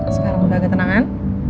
sekarang udah ketenangan